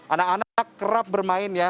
anak anak kerap bermain ya